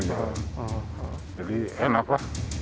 jadi enak lah